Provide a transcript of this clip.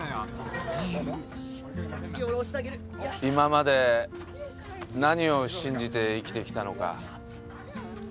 今まで何を信じて生きてきたのか。